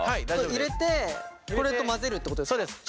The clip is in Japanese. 入れてこれと混ぜるってことですか？